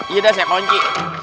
yaudah saya kunci